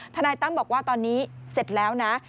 นายตั้มบอกว่าตอนนี้เสร็จแล้วนะ